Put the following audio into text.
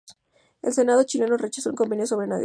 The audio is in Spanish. El Senado chileno rechazó el convenio sobre navegación.